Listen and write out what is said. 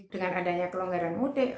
dengan adanya kelonggaran mudik